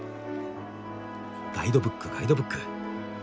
ガイドブックガイドブック。